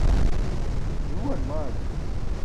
juuwan maar